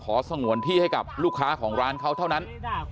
สงวนที่ให้กับลูกค้าของร้านเขาเท่านั้น